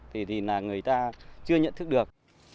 thì là người ta chưa nhận thức được